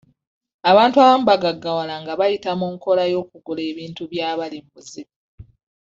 Abantu abamu bagaggawala nga bayita mu nkola y'okugula ebintu by'abali mu buzibu.